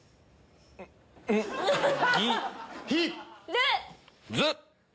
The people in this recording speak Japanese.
ず。